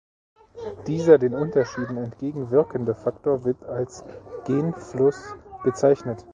Dieser den Unterschieden entgegen wirkende Faktor wird als Genfluss bezeichnet.